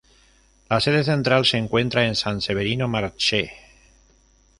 La sede central se encuentra en San Severino Marche.